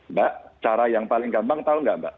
mbak cara yang paling gampang tahu nggak mbak